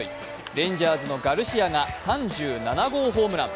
レンジャーズのガルシアが３７号ホームラン。